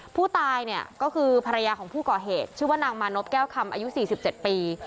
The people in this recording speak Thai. ผู้ตายเนี่ยก็คือภรรยาของผู้ก่อเหตุชื่อว่านางมานพแก้วคำอายุ๔๗ปี